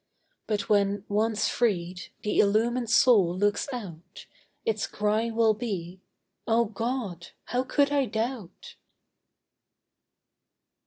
But when, once freed, the illumined soul looks out. Its cry will be, 'O God, how could I doubt!